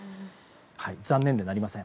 残念でなりません。